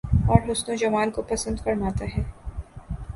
اور حسن و جمال کو پسند فرماتا ہے